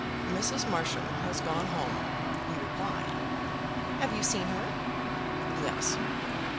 "Mrs. Marsham has gone home," he replied. "Have you seen her?" "Yes."